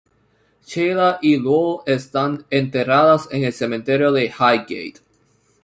Sheila y Lou están enterradas en el cementerio de Highgate.